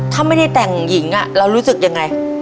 ถ้าไม่ได้แต่งหญิงเรารู้สึกยังไง